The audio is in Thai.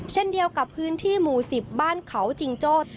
เช่นเดียวกับพื้นที่หมู่๑๐บ้านเขาจิงโจ้